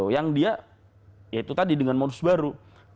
yang dia ya itu tadi dengan modus baru